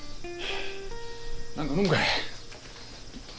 何か飲むかい。